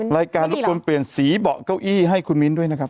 รายการทุกคนเปลี่ยนสีเบาะเก้าอี้ให้คุณมิ้นด้วยนะครับ